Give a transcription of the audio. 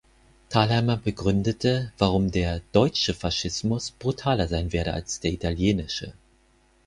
Thalheimer begründete, warum der „deutsche Faschismus“ brutaler sein werde als der italienische.